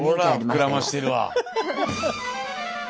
ほら膨らましてるわ。